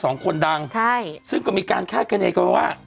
สองคนดังซึ่งก็มีการคาดกันในการว่า